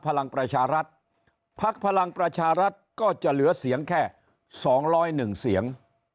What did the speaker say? พลังประชารัฐพักพลังประชารัฐก็จะเหลือเสียงแค่๒๐๑เสียง